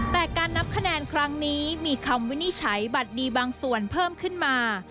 แต่การนับคะแนนครั้งนี้มีคำวินิจฉัยบัตรดีบางส่วนเพิ่มขึ้นมา